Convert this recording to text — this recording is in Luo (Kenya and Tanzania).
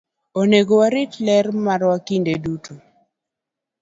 Onego warit ler marwa kinde duto.